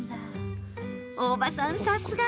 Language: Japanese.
大場さん、さすが！